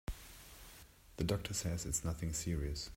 The doctor says it's nothing serious.